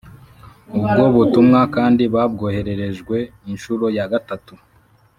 ubwo butumwa kandi babwohererejwe inshuro ya gatatu